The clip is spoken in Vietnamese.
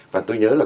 và tôi nhớ là